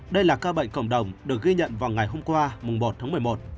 đây là ca bệnh cộng đồng được ghi nhận vào ngày hôm qua một tháng một mươi một